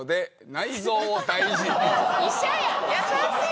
優しい！